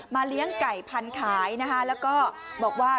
เลี้ยงไก่พันธุ์ขายนะคะแล้วก็บอกว่า